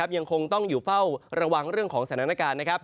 ยังคงต้องอยู่เฝ้าระวังเรื่องของสถานการณ์นะครับ